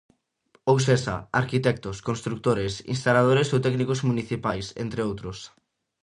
Ou sexa, arquitectos, construtores, instaladores ou técnicos municipais, entre outros.